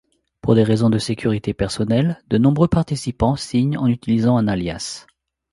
Pour des raisons de sécurité personnelle, de nombreux participants signent en utilisant un alias.